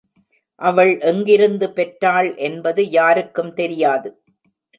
அவள் எங்கிருந்து பெற்றாள் என்பது யாருக்கும் தெரியாது.